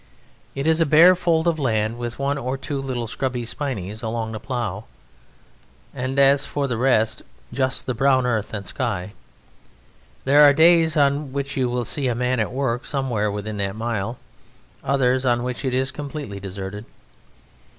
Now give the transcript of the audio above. It is a bare fold of land with one or two little scrubby spinneys alongside the plough. And for the rest, just the brown earth and the sky. There are days on which you will see a man at work somewhere within that mile, others on which it is completely deserted.